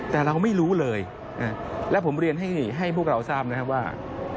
แต่เราไม่รู้เลยและผมเรียนให้พวกเราทราบนะครับว่า